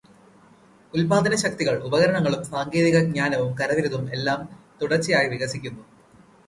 ഉൽപാദനശക്തികൾ, ഉപകരണങ്ങളും സാങ്കേതികജ്ഞാനവും കരവിരുതും എല്ലാം തുടർചയായി വികസിക്കുന്നു.